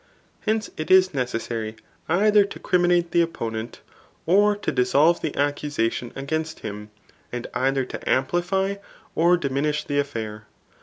Hence it is necessary dther to crimi* nate the opponent, or to dissolve the accusations against him, and either to amplify or diminish the affair.